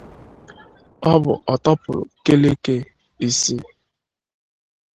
Ọ bụ ọtọpuru keleke isi